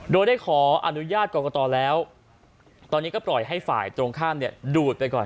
โดยได้ขออนุญาตกรกตแล้วตอนนี้ก็ปล่อยให้ฝ่ายตรงข้ามเนี่ยดูดไปก่อน